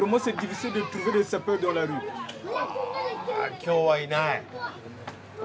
今日はいない？